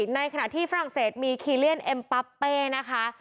ในขณะที่ฝรั่งเศสมีคีเลียนเอ็มปับเป้นะคะ